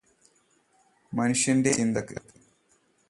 മനുഷ്യന്റെ ചിന്തക്ക്.